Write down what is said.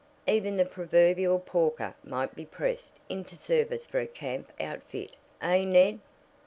"Even the proverbial porker might be pressed into service for a camp outfit, eh, Ned?"